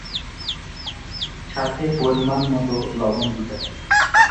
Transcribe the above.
সাথে পরিমাণ মত লবণ দিতে হবে।